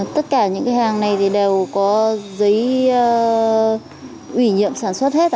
tất cả những cái hàng này thì đều có giấy ủy nhiệm sản xuất hết